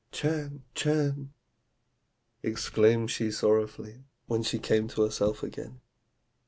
'Chan! Chan!' exclaimed she sorrowfully, when she came to herself again.